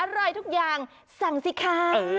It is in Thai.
อร่อยทุกอย่างสั่งสิคะ